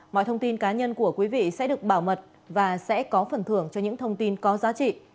mọi thông tin cá nhân của quý vị sẽ được bảo mật và sẽ có phần thưởng cho những thông tin có giá trị